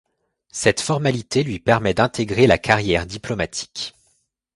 Cette formalité lui permet d'intégrer la carrière diplomatique.